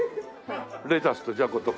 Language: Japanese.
レタスとじゃことか。